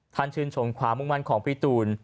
ชื่นชมความมุ่งมั่นของพี่ตูน